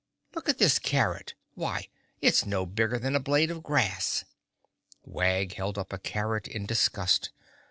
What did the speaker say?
Look at this carrot. Why, it's no bigger than a blade of grass." Wag held up a carrot in disgust.